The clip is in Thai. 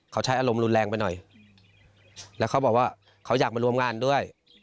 เขาใช้อารมณ์รุนแรงไปหน่อยแล้วเขาบอกว่าเขาอยากมาร่วมงานด้วย